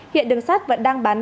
hiện đường sắt vẫn đang bán